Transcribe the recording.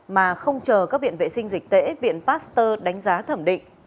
mà không chờ các viện vệ sinh dịch tễ viện pasteur đánh giá thẩm định